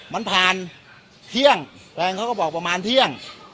มันผ่านเที่ยงแฟนเขาก็บอกประมาณเที่ยง